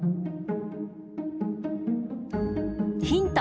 ヒント！